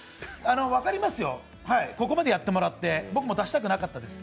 分かりますよ、ここまでやってもらって、僕も出したくなかったです。